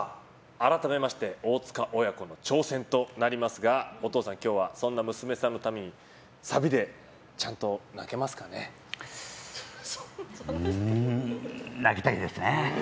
改めまして大塚親子の挑戦となりますがお父さん、今日はそんな娘さんのために泣きたいですね。